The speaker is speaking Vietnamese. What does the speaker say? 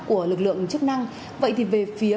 của lực lượng chức năng vậy thì về phía